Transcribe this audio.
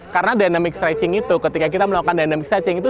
karena dynamic stretching itu ketika kita melakukan dynamic stretching itu